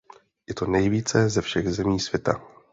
Je to nejvíce ze všech zemí světa.